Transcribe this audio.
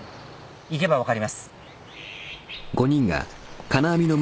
行けば分かります。